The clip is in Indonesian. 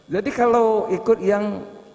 jadi kalau ikut yang